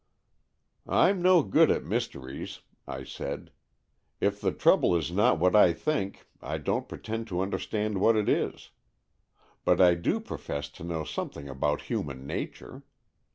" Fm no good at mysteries," I said. " If the trouble is not what I think, I don't pre tend to understand what it is. But I do profess to know something about human nature.